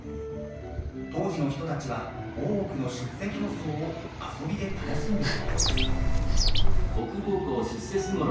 当時の人たちは大奥の出世競争を遊びで楽しんでいたようです。